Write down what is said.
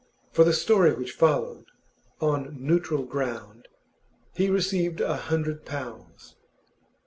For the story which followed, 'On Neutral Ground,' he received a hundred pounds.